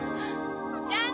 じゃあね！